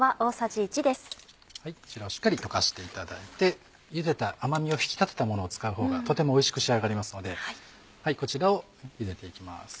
こちらをしっかり溶かしていただいてゆでた甘みを引き立てたものを使うほうがとてもおいしく仕上がりますのでこちらをゆでて行きます。